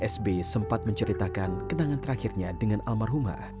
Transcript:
sbi sempat menceritakan kenangan terakhirnya dengan almarhumah